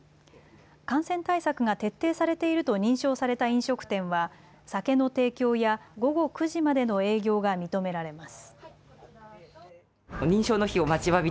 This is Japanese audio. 感染対策が徹底されていると認証された飲食店は酒の提供や午後９時までの営業が認められます。